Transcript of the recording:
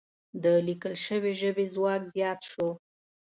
د لیکل شوې ژبې ځواک زیات شو.